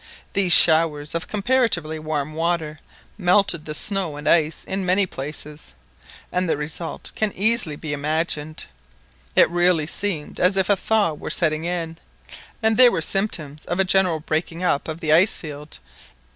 These showers of comparatively warm water melted the snow and ice in many places, and the result can easily be imagined. It really seemed as if a thaw were setting in, and there were symptoms of a general breaking up of the ice field.